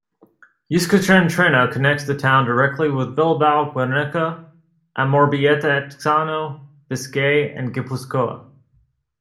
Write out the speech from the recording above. Euskotren Trena connects the town directly with Bilbao, Guernica, Amorebieta-Etxano, Biscay and Gipuzkoa.